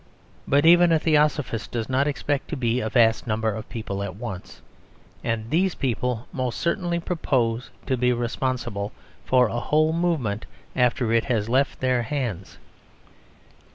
But even a theosophist does not expect to be a vast number of people at once. And these people most certainly propose to be responsible for a whole movement after it has left their hands.